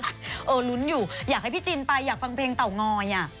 เออลุ้นอยู่อยากให้พี่จินไปอยากฟังเพลงเตางอย